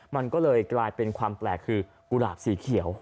มันก็เลยกลายเป็นความแปลกคือกุหลาบสีเขียว